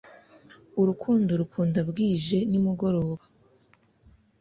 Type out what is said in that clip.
urukundo rukunda bwije nimugoroba